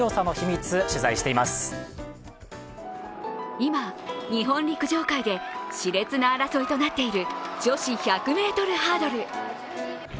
今、日本陸上界でしれつな争いとなっている女子１００ｍハードル。